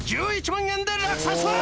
１１万円で落札！